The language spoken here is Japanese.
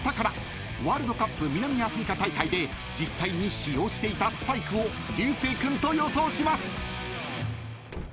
［ワールドカップ南アフリカ大会で実際に使用していたスパイクを流星君と予想します］